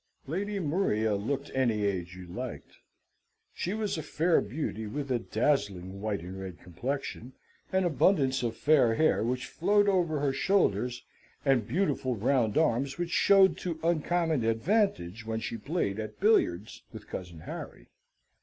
Lady Maria looked any age you liked. She was a fair beauty with a dazzling white and red complexion, an abundance of fair hair which flowed over her shoulders, and beautiful round arms which showed to uncommon advantage when she played at billiards with cousin Harry.